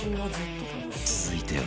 続いては